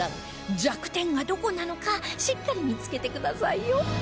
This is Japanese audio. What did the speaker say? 弱点がどこなのかしっかり見つけてくださいよ